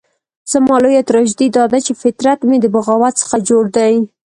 زما لويه تراژیدي داده چې فطرت مې د بغاوت څخه جوړ دی.